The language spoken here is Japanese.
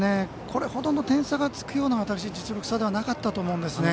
これほどの点差がつくような実力差ではなかったと思うんですね。